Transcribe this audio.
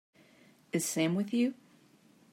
Is Sam with you?